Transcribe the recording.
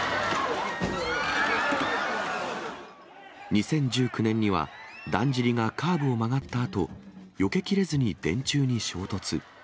２０１９年には、だんじりがカーブを曲がったあと、よけきれずに電柱に衝突。